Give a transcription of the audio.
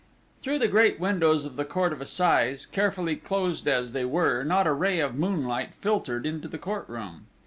Through the great windows of the Court of Assizes, carefully closed as they were, not a ray of moonlight filtered into the court room.